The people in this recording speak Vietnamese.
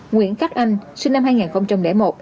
nguyễn khắc anh sinh năm hai nghìn một